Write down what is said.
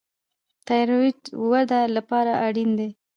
تایرویډ وده لپاره اړین دی.